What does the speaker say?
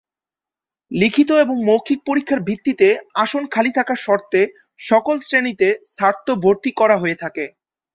লিখিত এবং মৌখিক পরীক্ষার ভিত্তিতে আসন খালি থাকার শর্তে সকল শ্রেণীতে ছাত্র ভর্তি করা হয়ে থাকে।